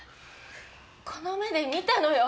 この目で見たのよ